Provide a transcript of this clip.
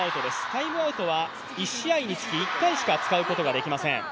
タイムアウトは１試合につき１回しか使うことができません。